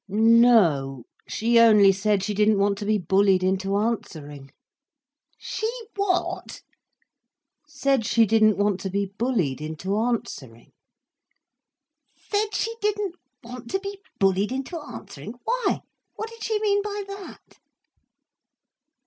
"No,—she only said she didn't want to be bullied into answering." "She what?" "Said she didn't want to be bullied into answering." "'Said she didn't want to be bullied into answering!' Why, what did she mean by that?"